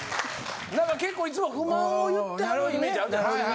・何か結構いつも不満を言ってはるイメージあるじゃないですか。